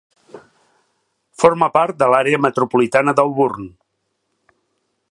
Forma part de l'àrea metropolitana d'Auburn.